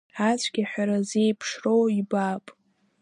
Ацәгьаҳәара зеиԥшроу ибап…